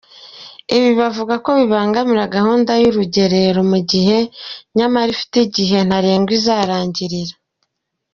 Ibi bavuga ko bibangamira gahunda y’urugerero, mu gihe nyamara ifite igihe ntarengwa izarangirira.